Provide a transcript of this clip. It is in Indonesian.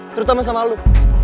terutama sama lo